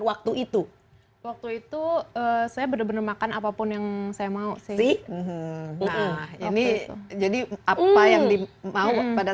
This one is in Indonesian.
waktu itu waktu itu saya benar benar makan apapun yang saya mau sih nah ini jadi apa yang dimau pada